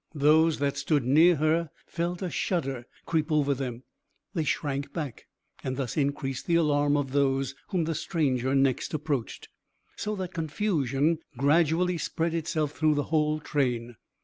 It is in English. Those that stood near her felt a shudder creep over them; they shrank back, and thus increased the alarm of those whom the stranger next approached, so that confusion gradually spread itself through the whole train.